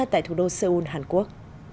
tại thủ đô seoul hàn quốc